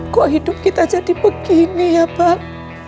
kok hidup kita jadi begini ya bang